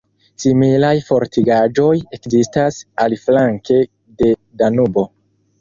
Similaj fortikaĵoj ekzistas aliflanke de Danubo.